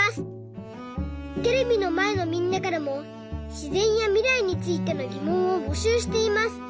テレビのまえのみんなからもしぜんやみらいについてのぎもんをぼしゅうしています。